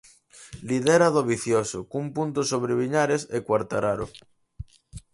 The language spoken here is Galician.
Lidera Dovizioso cun punto sobre Viñales e Quartararo.